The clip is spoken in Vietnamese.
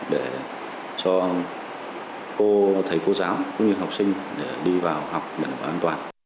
để cho cô thầy cô giáo cũng như học sinh đi vào học đẳng an toàn